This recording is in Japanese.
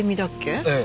ええ。